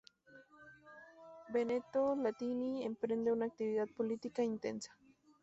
Brunetto Latini emprende una actividad política intensa.